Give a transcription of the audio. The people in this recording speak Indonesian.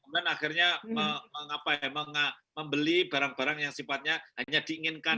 dan akhirnya membeli barang barang yang sifatnya hanya diinginkan